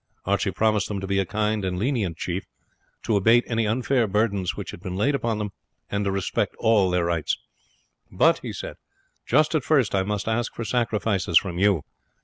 Archie promised them to be a kind and lenient chief, to abate any unfair burdens which had been laid upon them, and to respect all their rights. "But," he said, "just at first I must ask for sacrifices from you.